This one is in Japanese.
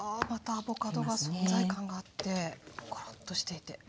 アボカドが存在感があってコロッとしていて。